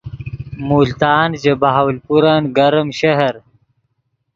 ملتان ژے بہاولپورن گرم شہر